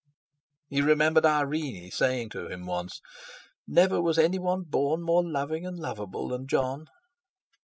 He remembered Irene saying to him once: "Never was any one born more loving and lovable than Jon."